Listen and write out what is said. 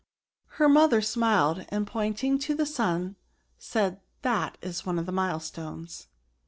Her mother smiled ; and pointing to the sim^ said that is one of the milestones."